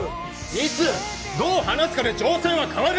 いつどう話すかで情勢は変わる！